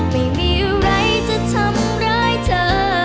ไม่มีอะไรจะทำร้ายเธอ